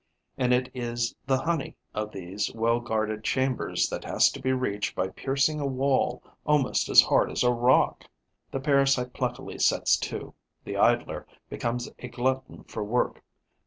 And it is the honey of these well guarded chambers that has to be reached by piercing a wall almost as hard as rock. The parasite pluckily sets to; the idler becomes a glutton for work.